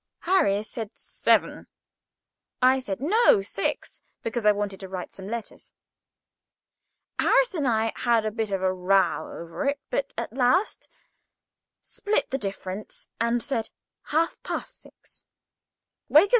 Harris said: "Seven." I said: "No—six," because I wanted to write some letters. Harris and I had a bit of a row over it, but at last split the difference, and said half past six.